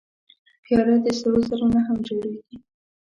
پیاله د سرو زرو نه هم جوړېږي.